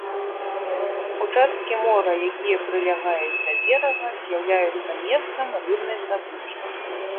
Участкі мора, якія прылягаюць да берага, з'яўляюцца месцам рыбнай здабычы.